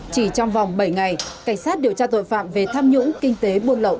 chỉ trong vòng bảy ngày cảnh sát điều tra tội phạm về tham nhũng kinh tế buôn lậu